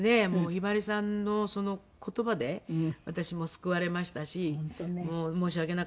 ひばりさんのその言葉で私も救われましたし申し訳なかったと。